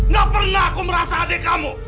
ga pernah aku merasa adek kamu